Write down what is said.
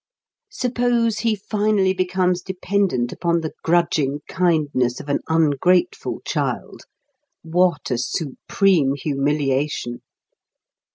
Suppose he finally becomes dependent upon the grudging kindness of an ungrateful child what a supreme humiliation!